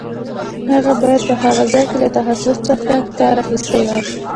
هغه باید په هغه ځای کې له تخصص څخه کار اخیستی وای.